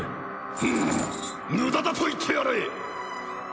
フンムダだと言ってやれ！